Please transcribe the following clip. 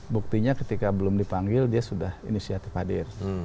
buktinya ketika belum dipanggil dia sudah inisiatif hadir